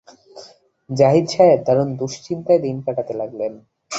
জাহিদ সাহেব দারুণ দুশ্চিন্তায় দিন কাটাতে লাগলেন।